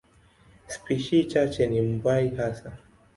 Spishi chache ni mbuai hasa.